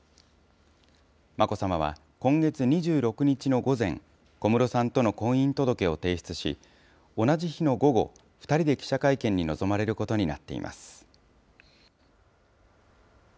眞子さまは今月２６日の午前、小室さんとの婚姻届を提出し、同じ日の午後、２人で記者会見に臨まれることになっています。